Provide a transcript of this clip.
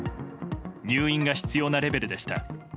入院が必要なレベルでした。